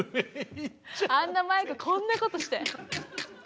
あんなマイクこんなことして。